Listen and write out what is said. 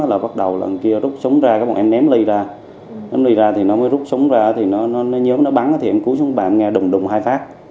là bắt đầu lần kia rút súng ra các bạn em ném ly ra ném ly ra thì nó mới rút súng ra thì nó nhớm nó bắn thì em cúi xuống bàn nghe đùng đùng hai phát